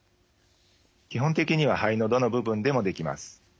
基本的には肺のどの部分でもできます。